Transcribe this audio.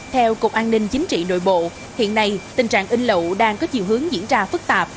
theo cục an ninh chính trị nội bộ hiện nay tình trạng in lậu đang có chiều hướng diễn ra phức tạp